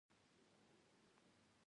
پنېر د مسافرو آسان خواړه ګڼل کېږي.